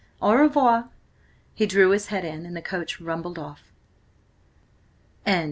Au revoir!" He drew his head in, and the coach rumbled off.